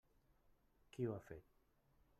Qui ho ha fet?